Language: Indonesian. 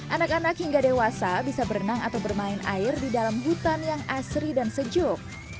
anak anak hingga dewasa bisa berenang atau bermain air di dalam hutan yang asri dan sejuk